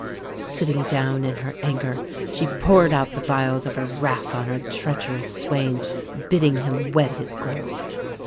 Sitting down in her anger she poured out the vials of her wrath on her treacherous swain, bidding him wed his gold.